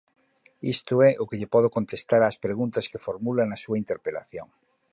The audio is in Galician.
Isto é o que lle podo contestar ás preguntas que formula na súa interpelación.